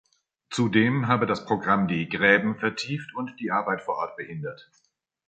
Zudem habe das Programm die „Gräben vertieft“ und die Arbeit vor Ort behindert.